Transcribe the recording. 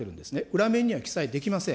裏面には記載できません。